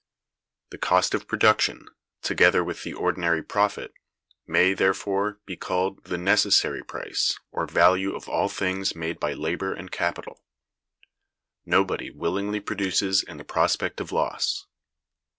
The cost of production, together with the ordinary profit, may, therefore, be called the necessary price or value of all things made by labor and capital. Nobody willingly produces in the prospect of loss.